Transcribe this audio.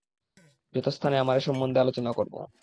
যথাস্থানে আমরা এ সম্বন্ধে আলোচনা করব।